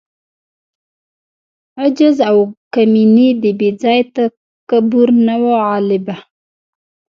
عجز او کمیني د بې ځای تکبر نه وه غالبه.